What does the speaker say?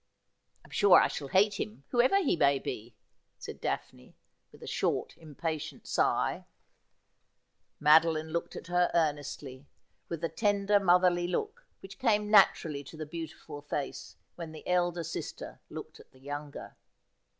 ' I'm sure I shall hate him, whoever he may be,' said Daphne, with a short, impatient sigh. Madoline looked at her earnestly, with the tender motherly look which came naturally to the beautiful face when the elder sister looked at the younger.